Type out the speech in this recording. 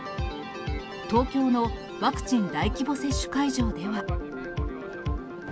東京のワクチン大規模接種会場では。